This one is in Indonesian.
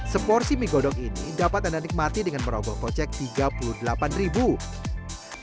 seporsi mie godok ini dapat anda nikmati dengan merogoh kocek rp tiga puluh delapan ribu